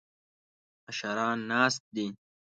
مشران ناست دي.